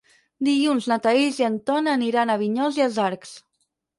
Dilluns na Thaís i en Ton aniran a Vinyols i els Arcs.